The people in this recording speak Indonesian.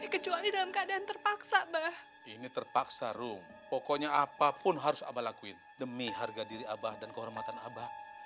kecuali dalam keadaan terpaksa abah ini terpaksa rum pokoknya apapun harus abah lakuin demi harga diri abah dan kehormatan abah